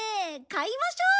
買いましょう！